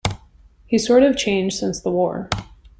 He's sort of changed since the war.